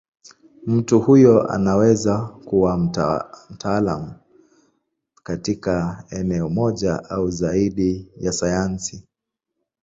Mtu huyo anaweza kuwa mtaalamu katika eneo moja au zaidi ya sayansi.